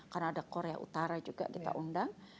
karena ada korea utara juga kita undang